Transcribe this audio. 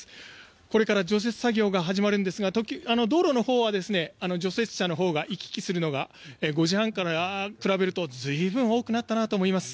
これから除雪作業が始まるんですが道路のほうは除雪車のほうが行き来するのが５時半から比べると随分多くなったなと思います。